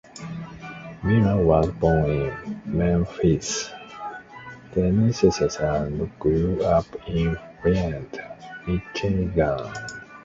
Minor was born in Memphis, Tennessee and grew up in Flint, Michigan.